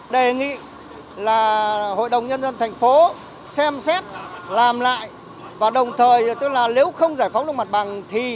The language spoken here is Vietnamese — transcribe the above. đề nghị là hội đồng nhân dân thành phố xem xét làm lại và đồng thời tức là nếu không giải phóng được mặt bằng thì